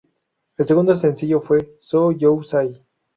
El segundo sencillo fue "So You Say".